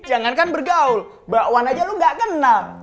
jangan kan bergaul mbak wan aja lu ga kenal